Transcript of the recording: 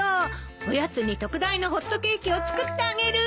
おやつに特大のホットケーキを作ってあげる。